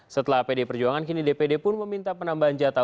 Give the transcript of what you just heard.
setelah pd perjuangan kini dpd pun meminta penambahan jatah